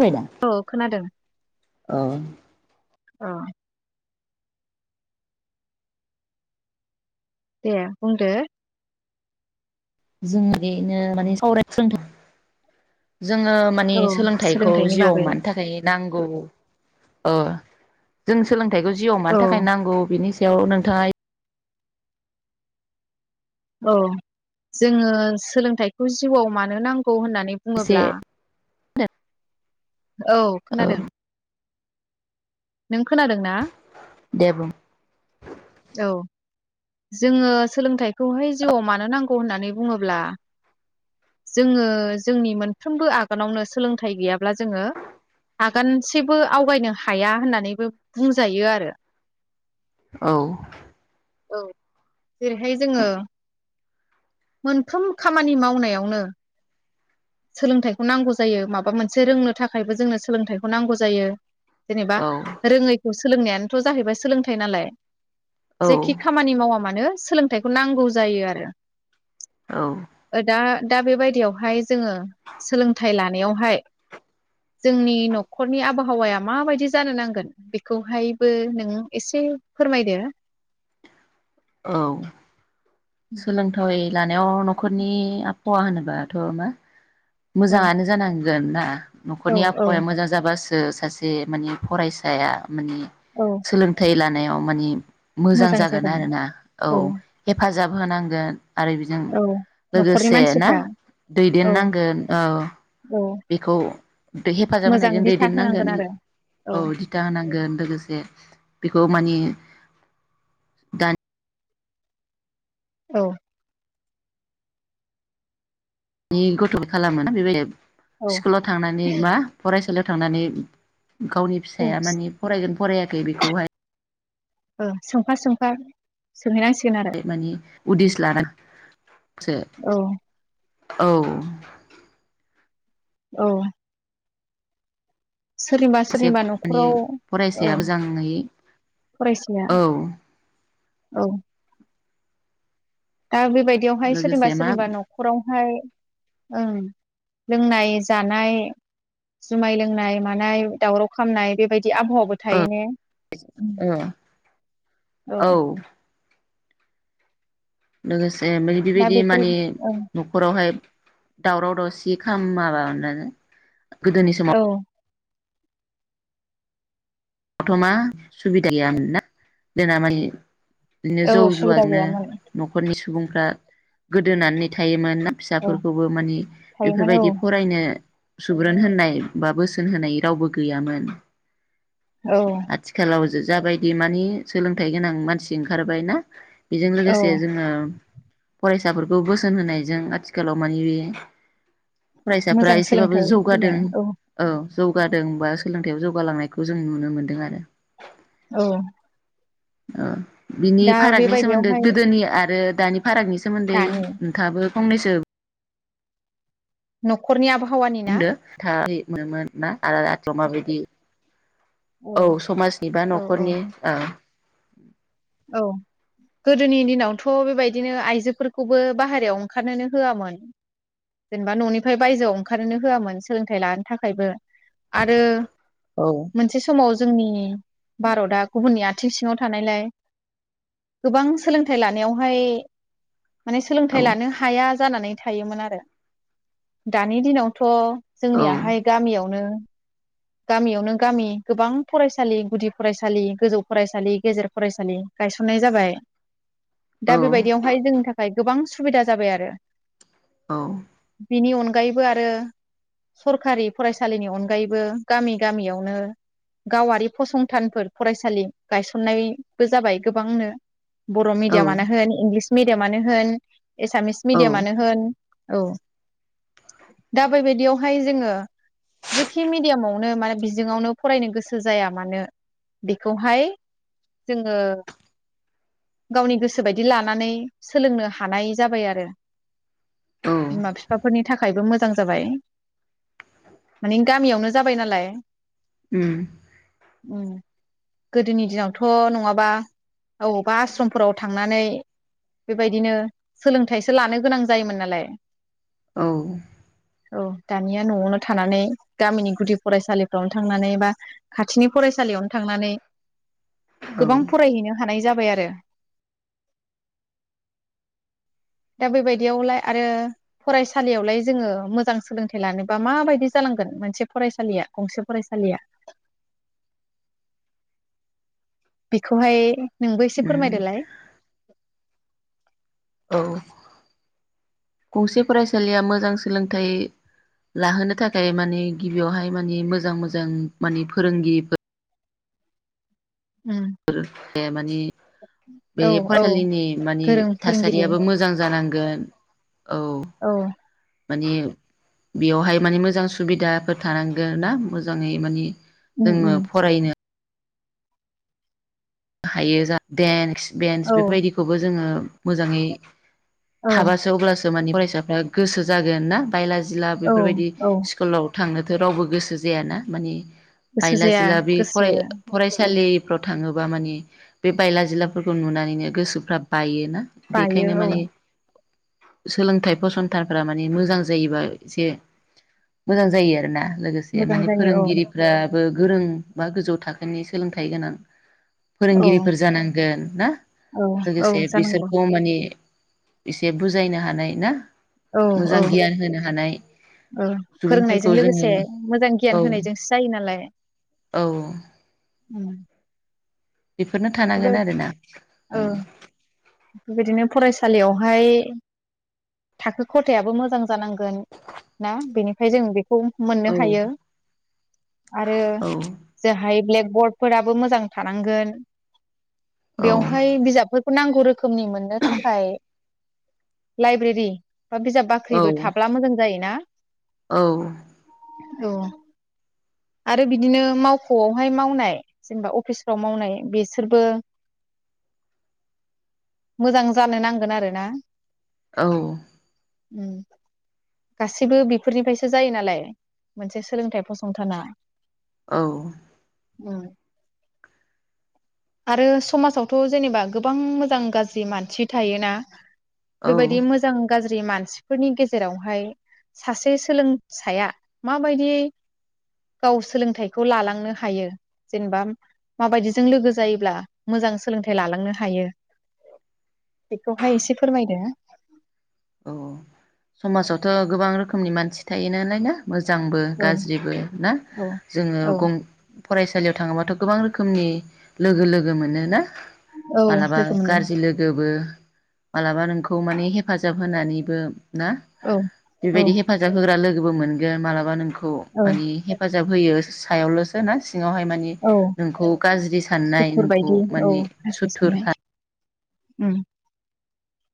बायदा औ खोनादों औ औ दे बुंदो। जों ओरैनो माने सावराय सोलोंथाइ जोङो मानि औ सोलोंथाइखौ सोलोंथाइनि जिउआव बागै मानो थाखाय नांगौ ओ जों सोलों फिथाइखौ जिउआव औ मानि थाखाय नांगौ बेनि सा याव नोंथाङा औ जोङो सोलोंथाइखौ जिउआव मानो नांगौ? औ होननानै एसे बुङोब्ला [unintelligible] औ खोनादों नों खोनादों ना दे बुं। औ जोङो सोलोंथाइखौहाय जिउआव मानो नांगौ होननानै बुङोब्ला जोङो जोंनि मोनफ्रोमबो आगानावनो सोलोंथाइ गैयाब्ला जोङो आगानसेबो आवगायनो हाया होननानैबो बुंजायो आरो औ औ जेरैहाय जोङो मोनफ्रोम खामानि मावनायावनो सोलोंथाइखौ नांगौ जायो माबा मोनसे रोंनो थाखायबो जोंनो सोलोंथाइखौ नांगौ जायो। जेनेबा औ रोङै सोलोंनायानोथ जाहैबाय सोलोंथाइ नालाय औ जेखि खामानि मावा मानो सोलोंथाइखौ नांगौ जायो आरो औ दा दा बेबायदियावहाय जोङो सोलोंथाइ लानायावहाय जोंनि न'खरनि आबहावाया माबायदि जानो नांगोन बेखौहायबो नों एसे फोरमायदो। औ। सोलोंथावै लानायाव न'खरनि हवा होनोबाथ' मा औ मोजाङानो जानां गोनना। औ न'खरनि औ आबहावाया मोजां जाबासो ओ सासे मानि फरायसाया माने औ सोलोंथाइ लानो [unintelligible] मानि मोजां जागोन आरोना औ हेफाजाब होनांगोन। आरो बिजों औ न'खरनि लोगोसे ना मानसिफ्रा औ दैदेननांगोन । औ [unintelligible] बेखौ बे हेफाजाब मोजां होनायजों दिथा दैदेननांगोन होनांगोन आरो औ दिथा होनांगोन लोगोसे बेखौ मानि दानि। औ [unintelligible] गथ'बो खालामोना औ [unintelligible] स्कुलाव थांनानै बा फरायसालियाव थांनानै। गावनि औ फिसाया माने फरायगोन फराययाखै बेखौहाय ओं सोंफा सोंफा सोंहैनांसिगोन आरो माने उदिस लागोन औ औ। औ। सोरनिबा सासे सोरनिबा माने न'खराव औ फरायसाया मोजाङै फरायसाया औ औ दा बेबायदियावहाय सोरनिबा लोगोसे मा सोरनिबा न'खरावहाय ओं लोंनाय जानाय जुमाय लोंनाय मानाय दावराव खामनाय बेबायदि । बिदि आब'हावाबो थायो ने? उम ओ औ । लोगोसे दा बेबायदि बेफोर माने ओं नखरावहाय दावराव दावसि खालामा बानो गोदोनि औ समाव दथमा सुबिदाया ना जोंना मानि बिदिनो जौ औ सुबिदा जुवाजोंनो गैयामोन न'खरनि सुबुं हो गोदोनानै थायोमोन औ फिसाफोरखौबो मानि थायोमोन औ बेफोरबायदि फरायनो सुबुरुन होननाय बा बोसोन होनाय रावबो गैयामोन। औ आथिखालाव जो जाबायदि मानि सोलोंथाइ गोनां मानसि ओंखारबाय ना बेजों औ लोगोसे जोङो फरायसाफोरखौ बोसोन होनायजों आथिखालाव मानि बे फरायसाफ्रा मोजां एसेबाबो सोलोंथाइ होनो जौगादों औ। जौगादों बा सोलोंथाइयाव जौगालांनायखौ जों नुनो मोन दों आरो औ। ओ बिनि दा फारागनि सोमोन्दै बेबायदियावहाय गोदोनि आरो दानि फारागनि सोमोन्दै दानि नोंथांयाबो फंनैसो नखरनि आबहावा बुंदो था बि मोनोन ना आ-आ थ माबादि औ समाजनि बा औ औ नखरनि ओ। ओम । औ गोदोनि दिनावथ बेबायदिनो आइजोफोरखौबो बाहेरायाव ओंखारनोनो होयामोन जेनेबा ननिफ्राय बायजोयाव ओंखारनोनो होयामोन सोलोंथाइ लानो थाखायबो आरो ओ मोनसे समाव जोंनि भारतया गुबुननि आथिं सिङाव थानायलाय गोबां सोलोंथाइ लानायावहाय माने औ सोलोंथाइ लानो हाया जानानै थायोमोन आरो दानि दिनावथ' औ जोंनियाहाय गामियावनो गामियावनो गामि गोबां फरायसालि गुदि फरायसालि गोजौ फरायसालि गेजेर फरायसालि गायसननाय जाबाय। दा बेबायदियावहाय जोंनि थाखाय गोबां सु सुबिदा जाबाय आरो। औ बिनि अनगायैबो आरो सरखारि फरायसालिनि अनगायैबो गामि गामियावनो गावारि फसंथानफोर फरायसालि गायसननाय बो जाबाय गोबांनो। बर' औ मिडियामानो होन इंलिस मेडियामानो होन एसामिस औ मिडियामानो होन औ दा बैबायदियावहाय जोङो जेखि मिडियामाव नो मा बिजोङावनो फरायनो गोसो जाया मानो बेखौहाय जोङो गावनि गोसो बायदि लानानै सोलोंनो हानाय जाबाय आरो औ बिमा फिफाफोरनि थाखायबो मोजां जाबाय माने गामियावनो जाबाय नालाय उम उम गोदोनि दिनावथ' नङाबा अबावबा आस्रमफोराव थांनानै बेबायदिनो सोलोंथाइसो लानो गोनां जायोमोन नालाय। औ औ दानिया न'आवनो थानानै गामिनि गुदि फरायसालिफ्रावनो थांनानै बा खाथिनि फरायसालियावनो थांनानै गोबां उम फरायहैनो हानाय जाबाय आरो दा बेबादियावलाय आरो फरायसालियावलाय जोङो मोजां फरायसालिया गंसे फरायसालिया बेखौहाय नोंबो एसे फोरमायदोलाय [unintelligible] गंसे फरायसालिया मोजां सोलोंथाइ लाहोनो थाखाय माने गिबियावहाय माने मोजां मोजां माने फोरोंगिरिफोर उम ए माने बे औ औ फरायलिनि माने गोरों फोरोंगिरि थासारियाबो मोजां जानां गोन औ। माने बेयावहाय माने मोजां सुबिदाफोर थानांगोन ना मोजाङै माने उम उम जोङो फरायनो हायो जा [unintelligible] बेन्स औ बेफोरबायदिखौबो जोङो मोजाङै औ थाबासो अब्लासो मानि फरायसाफ्रा गोसो जागोन ना? बायला जिला औ बेफोरबायदि औ स्कुलाव थांनोथ' रावबो गोसो जायाना माने गोसो बायला जाया जिला बे गोसो फराय उम फरायसालिफ्रावथ थाङोबा माने बे बायला जिलाफोरखौ नुनानैनो गोसोफ्रा बायो। ना बायो बेखायनो औ माने सोलोंथाइ फसंथानफोरा माने मोजां जायोबा एसे मोजां जायो आरोना लोगोसे मोजां माने जायो औ फोरोंगिरिफ्रा गोरों बा गोजौ थाखोनि सोलोंथाइ गोनां। औ फोरोंगिरिफोर जानांगोन ना औ औ लोगोसे जानांगौ बिसोरखौ माने इसे बुजायनो हानाय ना? औ मोजां औ गियान होनो हानाय ओ सुबुंफोरखौ फोरोंनायजों जोङो लोगोसे मोजां औ गियान होनायजोंसो जायो नालाय। औ उम बेफोरनो बे थानांगोन आरोना। औ ओम। बेबायदिनो फरायसालियावहाय थाखो खथायाबो मोजां जानांगोन ना बेनिख फाय जों बेख खौ मोननो हायो आरो औ जोहाय ब्लेक बर्डफोराबो मोजां थानांगोन। बेवहाय बिजाबफोथ [unintelligible] खोमनि मोननो थाखाय लाइब्रेरि। बा बिजाब बाख्रिबो थाब्ला मोजां जायो ना। औ। औ आरो बिदिनो मावख'आवहाय मावनाय जेनबा अफिसफ्राव मावनाय बिसोरबो मोजां जानो नांगोन आरो ना। औ उम गासैबो बेफोरनिफ्रायसो जायो नालाय मोनसे सोलोंथाइ फसंथाना औ। उम आरो समाजावथ' जेनेबा गोबां मोजां गाज्रि मानसि थायोना। औ बेबायदि मोजां गाज्रि ज्रि मानसिफोरनि गेजेरावहाय सासे सोलोंसाया माबायदि गाव सोलोंथाइखौ लालांनो हायो जेनबा माबायदिजों लोगो जायोब्ला मोजां सोलोंथाइ लालांनो हायो बेखौहाय एसे फोरमायदो। औ समाजावथ' गोबां रोखो मनि मानसि थायो नालाय ना। मोजांबो औ गाज्रिबो ना औ जोङो औ गं फरायसालियाव थाङोबाथ' गोबां रोख खोमनि लोगो लोगो मोनोना? औ मालाबा लोगो मोनो गाज्रि लोगोबो। मालाबा नोंखौ माने हेफाजा जाब होनानैबो ना औ औ बेबायदि हेफाजाब होग्रा लोग गोबो मोनगोन मालाबा नोंख खौ औ माने हेफाजाब होयो। सायावल'सो ना सि ङावहाय माने औ नोंखौ गाज्रि साननाय सुथुर नोंखौ बायदि औ माने गाज्रि सुथुर साननाय सान उम।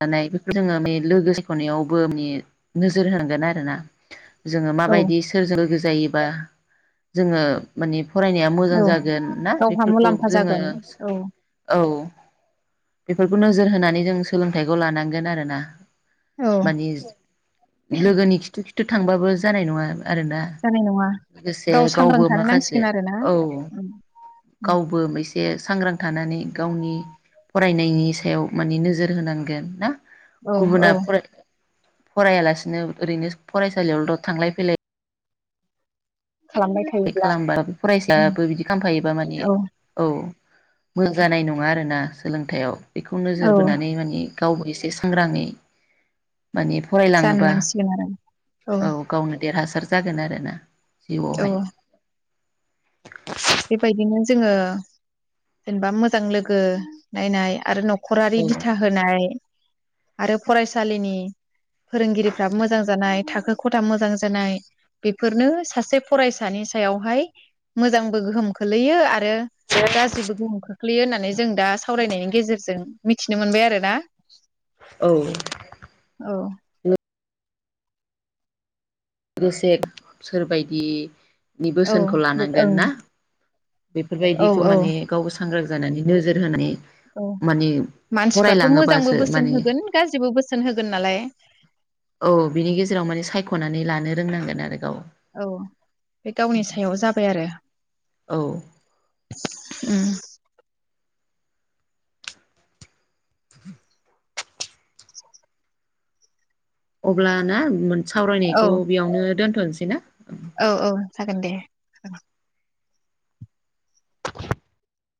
दानाय बेखौ जोङो मे लोगो सायख'नायावबो मे नोजोर होनांगोन आरोना जोंङो औ माबायदि सोरजों लोगो जायोबा जोङो माने फरायनाया मोजां औ जागोन ना गावहा बेफोरखौ मुलाम्फा जोङो जागोन औ औ। बेफोरखौ नोजोर होनानै जोंसो सोलोंथाइखौ लानांगोन आरो ना औ मानि लोगोनि खिथु खिथु थो थांबाबो जानाय नङा। आरोना जानाय नङा लोगोसे गाव सांग्रां गावबो थानो माखासे नांसिगोन आरो ना औ उम उम गावबो मैसे सांग्रां थानानै गावनि फरायनायनि सायाव माने नोजोर होनो नांगोन ना औ गुबुना औ फराय फरायालासिनो ओरैनो फरायसालियावल थांलाय फैलाय खालामबाय थायोब्ला खालामबा उम फरायसायाबो बिदि खालामफायोबा माने औ औ। मोजां जानाय नङा आरोना सोलोंथाइयाव। बेखौ औ नोजोर बोनानै मानि गावबो एस सांग्राङै। मानि जानो फरायलाङोबा नांसिगोन आरो औ गावनो देरहासार जागोन आरोना औ जिउआवहाय बेबायदिनो जोङो जेनेबा मोजां लोगो नायनाय आरो न' खरारि दिथा होनाय आरो फरायसालिनि फोरोंगिरिफ्राबो मोजां जानाय थाखो खथा मोजां जानाय बेफोरनो सासे फरायसानि सायावहाय मोजां गोहोम खोलैयो आ रो गाज्रि गोहोम खोख खोलैयो होननानै जों दा सावरायनायनि गेजेरजों मिथिनो मोनबाय आरो ना। औ औ लोगोसे सोरबायदि नि औ बोसोनखौ लानांगोन ओं ना औ बेफोरबायदिखौ औ माने गावबो सांग्रां जानानै नोजोर होनाय औ मानसिफ्राथ' मोजांबो बोसोन माने होगोन गाज्रिबो बोसोन होगोन नालाय औ बिनि गेजेराव माने सायख'नानै लानो रोंनांगोन आरो गाव औ बे गावनि सायाव जाबाय आरो। औ उम। [inaudible] अब्लाना मोन औ सावरायनायखौ बेयावनो दोन बुंनोसैना? औ औ। जागोन दे औ